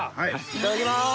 いただきます。